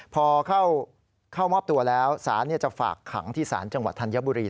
พอเข้ามอบตัวแล้วสารจะฝากขังที่ศาลจังหวัดธัญบุรี